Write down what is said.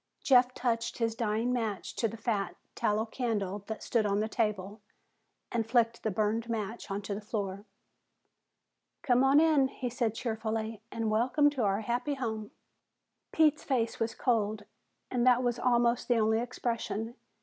Jeff touched his dying match to the fat tallow candle that stood on the table and flicked the burned match onto the floor. "Come on in," he said cheerfully. "And welcome to our happy home!" Pete's face was cold, and that was almost the only expression.